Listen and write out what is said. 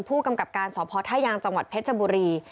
ผู้กำกับการสพท่ายางจังหวัดเพชรบุรี